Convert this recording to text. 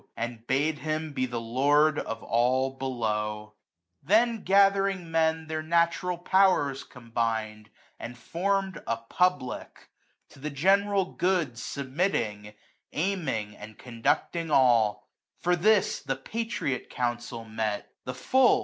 And bade him be the Lord of all below* 95 Then gathering men their natural powers combined, . And form'd a Public ; to the general good i^ilmiitting, aiming, and conducting alL For this the Patriot Council met, the full.